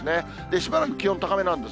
しばらく気温高めなんです。